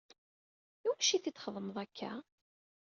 Iwacu i iti-txedmeḍ akka?